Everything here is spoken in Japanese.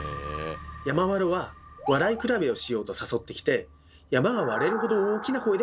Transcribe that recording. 山童は「笑い比べをしよう」と誘ってきて山が割れるほど大きな声で笑ってくれるんです。